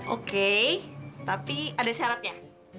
oke tapi ada syaratnya